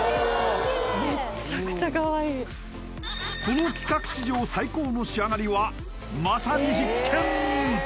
この企画史上最高の仕上がりはまさに必見！